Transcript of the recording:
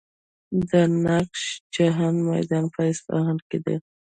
د نقش جهان میدان په اصفهان کې دی.